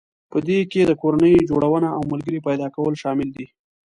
په دې کې د کورنۍ جوړونه او ملګري پيدا کول شامل دي.